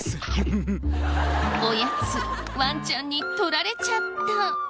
おやつワンちゃんに取られちゃった。